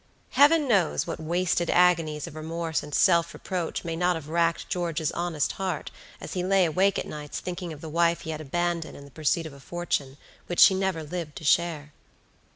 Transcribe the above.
Heaven knows what wasted agonies of remorse and self reproach may not have racked George's honest heart, as he lay awake at nights thinking of the wife he had abandoned in the pursuit of a fortune, which she never lived to share.